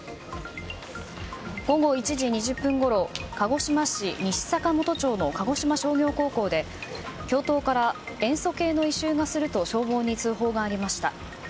午後１時２０分ごろ鹿児島市西坂元町の鹿児島商業高校で、教頭から塩素系の異臭がすると消防に通報がありました。